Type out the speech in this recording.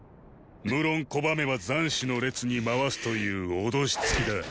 無論拒めば斬首の列に回すという脅しつきだ。